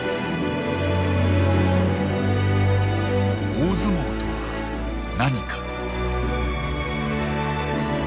大相撲とは何か。